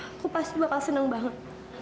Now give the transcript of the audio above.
aku pasti bakal senang banget